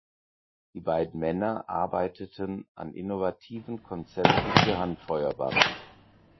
Die beiden Männer arbeiteten an innovativen Konzepten für Handfeuerwaffen.